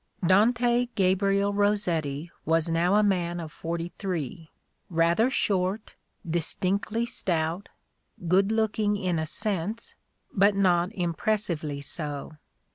Dante Gabriel Rossetti was now a man of forty three, — rather short, distinctly stout, good looking in a sense, but not impressively so.